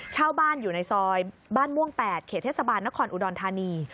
เช่าบ้านอยู่ในซอยบ้านม่วง๘เขตเทศบาลนครอุดรธานี